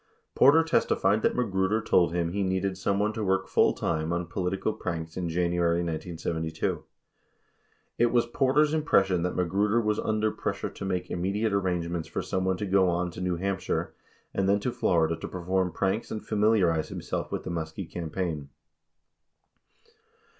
52 Porter testified that Magruder told him he needed someone to work fulltime on political pranks in January 1972. It was Porter's im pression that Magruder was under pressure to make immediate ar rangements for someone to go on to New Hampshire and then to Florida to perform pranks and familiarize himself with the Muskie campaign.